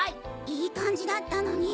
いい感じだったのに。